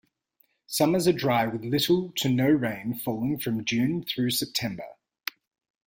Summers are dry with little to no rain falling from June through September.